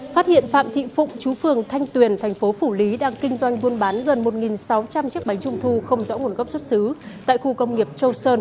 phát hiện phạm thị phụng chú phường thanh tuyền thành phố phủ lý đang kinh doanh buôn bán gần một sáu trăm linh chiếc bánh trung thu không rõ nguồn gốc xuất xứ tại khu công nghiệp châu sơn